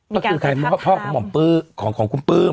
ก็คือใครพ่อของหม่อมของคุณปื้ม